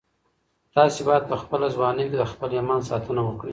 تاسي باید په خپله ځواني کي د خپل ایمان ساتنه وکړئ.